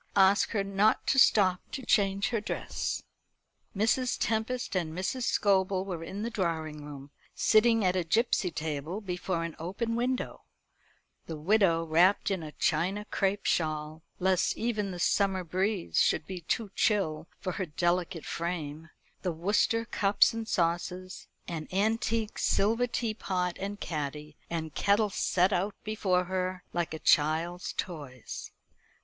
Ask her not to stop to change her dress." Mrs. Tempest and Mrs. Scobel were in the drawing room, sitting at a gipsy table before an open window; the widow wrapped in a China crape shawl, lest even the summer breeze should be too chill for her delicate frame, the Worcester cups and saucers, and antique silver tea pot and caddy and kettle set out before her, like a child's toys.